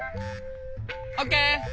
オッケー！